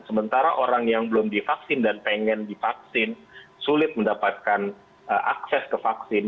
sementara orang yang belum divaksin dan pengen divaksin sulit mendapatkan akses ke vaksin